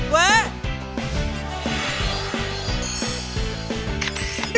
เวิร์ด